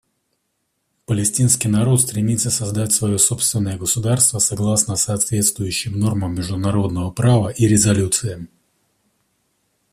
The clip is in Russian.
Палестинский народ стремится создать свое собственное государство согласно соответствующим нормам международного права и резолюциям.